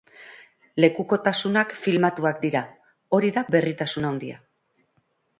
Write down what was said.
Lekukotasunak filmatuak dira, hori da berritasun handia.